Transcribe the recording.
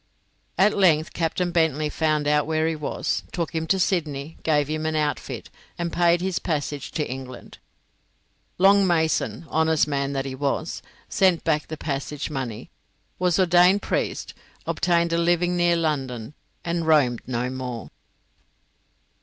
At length Captain Bentley found out where he was, took him to Sydney, gave him an outfit, and paid his passage to England. Long Mason, honest man that he was, sent back the passage money, was ordained priest, obtained a living near London, and roamed no more.